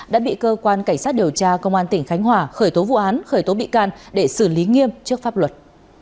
đã bị cơ quan cảnh sát điều tra công an tỉnh khánh hòa khởi tố vụ án khởi tố bị can để xử lý nghiêm trước pháp luật